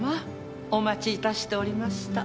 お待ち致しておりました。